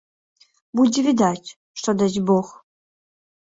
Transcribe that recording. Будзе відаць, што дасць бог.